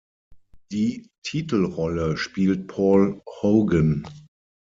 Die Titelrolle spielt Paul Hogan.